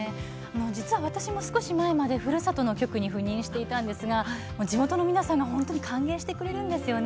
実は私も少し前までふるさとの局に赴任していたんですが地元の皆さんが本当に歓迎してくれるんですよね。